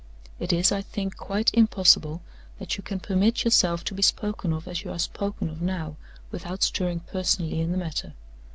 "It is, I think, quite impossible that you can permit yourself to be spoken of as you are spoken of now, without stirring personally in the matter.